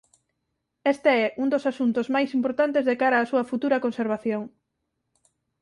Este é un dos asuntos máis importantes de cara á súa futura conservación.